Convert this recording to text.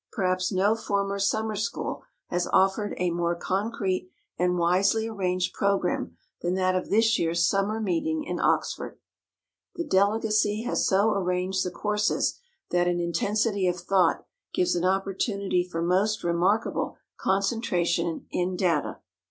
Perhaps no former summer school has offered a more concrete and wisely arranged program than that of this year's summer meeting in Oxford. The delegacy has so arranged the courses that an intensity of thought gives an opportunity for most remarkable concentration in data.